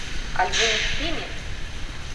Альбо не з тымі?